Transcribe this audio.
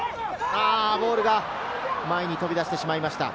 ボールが前に飛び出してしまいました。